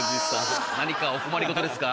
何かお困り事ですか？